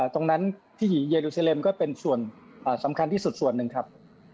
ตรงนั้นที่เยดูเซเลมก็เป็นส่วนสำคัญที่สุดส่วนหนึ่งครับ